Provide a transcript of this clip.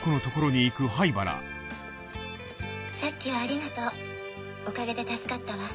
さっきはありがとうおかげで助かったわ。